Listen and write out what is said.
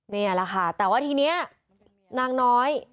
นี่แหละค่ะแต่ว่าทีนี้นางน้อย